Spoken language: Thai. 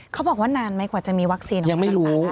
เขาบอกว่านานไหมกว่าจะมีวัคซีนของพันธุ์ศาสตร์ไอ้พี่